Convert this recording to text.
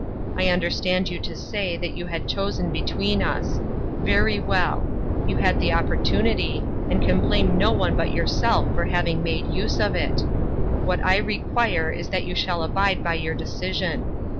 I understood you to say that you had chosen between us ; very well ; you had the oppor tunity, and can blame no one but yourself for having made use of it ; what I require is that you shall abide by your decision.